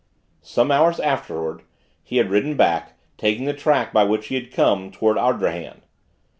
Some hours afterward, he had ridden back, taking the track by which he had come, toward Ardrahan.